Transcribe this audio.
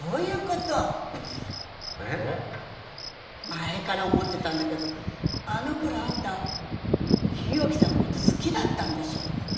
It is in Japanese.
前から思ってたんだけどあのころあんた日置さんのこと好きだったんでしょ。